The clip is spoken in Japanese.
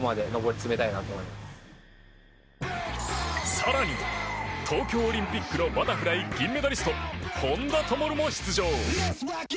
更に、東京オリンピックのバタフライ銀メダリスト本多灯も出場。